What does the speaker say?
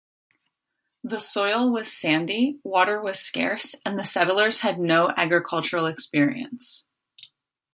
The soil was sandy, water was scarce and the settlers had no agricultural experience.